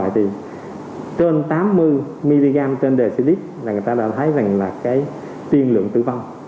trên tám mươi mg trên một dl người ta đã thấy tiên lượng tử vong